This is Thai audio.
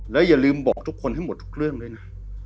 แล้วอย่าลืมบอกทุกคนให้หมดทุกเรื่องด้วยนะ